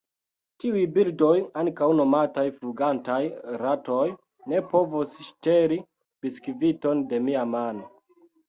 Tiuj birdoj, ankaŭ nomataj flugantaj ratoj, ne provos ŝteli biskviton de mia mano.